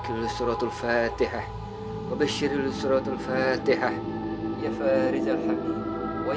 ya allah berikanlah hambamu ini jalan